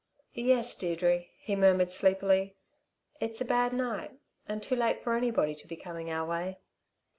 "Yes, Deirdre," he murmured sleepily; "it's a bad night and too late for anybody to be coming our way."